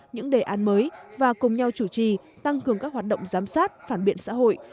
những đề án mới và cùng nhau chủ trì tăng cường các hoạt động giám sát phản biện xã hội